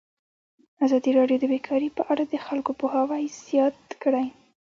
ازادي راډیو د بیکاري په اړه د خلکو پوهاوی زیات کړی.